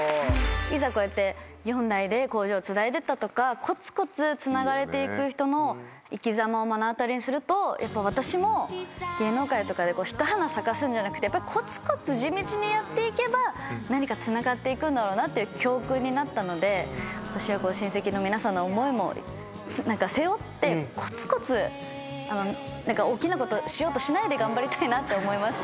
いざこうやって４代で工場をつないでたとかこつこつつながれて行く人の生きざまを目の当たりにするとやっぱ私も芸能界とかでひと花咲かすんじゃなくてこつこつ地道にやって行けば何かつながって行くんだろうなっていう教訓になったので私はこの親戚の皆さんの思いも背負ってこつこつ大きなことしようとしないで頑張りたいなって思いました。